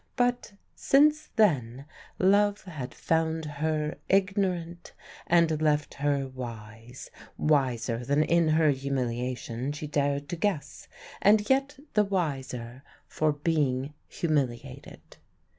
But since then love had found her ignorant and left her wise; wiser than in her humiliation she dared to guess, and yet the wiser for being humiliated.